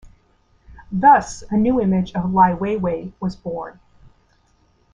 Thus, a new image of "Liwayway" was born.